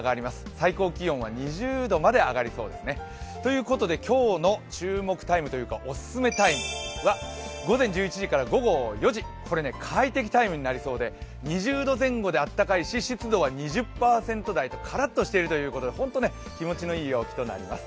最高気温は２０度まで上がりそうですね。ということで今日の注目タイムというかお勧めタイムは午前１１時から午後４時、快適ＴＩＭＥ，になりそうで、２０度前後で暖かいし、湿度は２０％前後でカラッとしているということで気持ちのいい陽気となります。